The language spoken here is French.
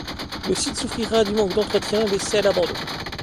Le site souffrira du manque d'entretien, laissé à l'abandon.